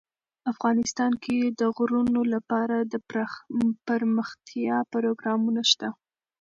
افغانستان کې د غرونه لپاره دپرمختیا پروګرامونه شته.